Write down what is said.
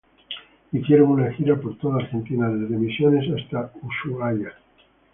Hicieron una gira por toda Argentina, desde Misiones hasta Ushuaia.